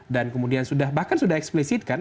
dan kemudian sudah bahkan sudah eksplisit kan